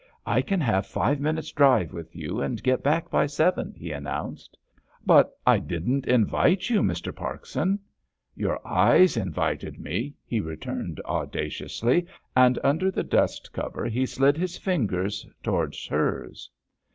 "I can have a five minutes' drive with you and get back by seven," he announced. "But I didn't invite you, Mr. Parkson." "Your eyes invited me," he returned audaciously, and under the dust cover he slid his fingers towards hers.